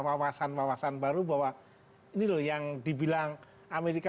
wawasan wawasan baru bahwa ini loh yang dibilang amerika